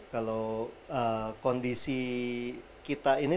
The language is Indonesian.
kalau kondisi kita ini